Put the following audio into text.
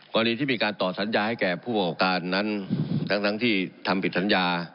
กรณีที่มีการต่อสัญญาให้แก่ผู้ประกอบการนั้นทั้งที่ทำผิดสัญญา